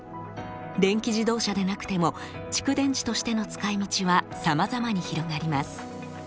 電気自動車でなくても蓄電池としての使いみちはさまざまに広がります。